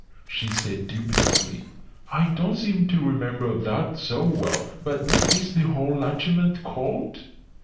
she said dubiously. "I don't seem to remember that so well. But what is the whole argument called?"